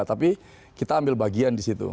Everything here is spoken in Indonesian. tapi kita ambil bagian di situ